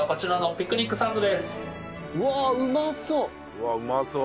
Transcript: うわっうまそう。